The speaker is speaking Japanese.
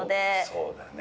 そうだよね。